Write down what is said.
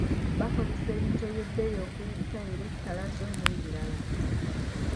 Baakozesa ebintu eby'ebbeeyi okuli ttayiro, ttalazo n'ebirala.